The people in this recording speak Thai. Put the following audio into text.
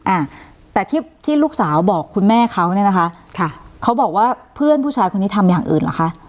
อ่าแต่ที่ที่ลูกสาวบอกคุณแม่เขาเนี่ยนะคะค่ะเขาบอกว่าเพื่อนผู้ชายคนนี้ทำอย่างอื่นเหรอคะ